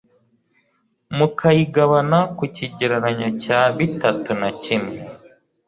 m ukayigabana ku kigereranyo cya bitatu na kimwe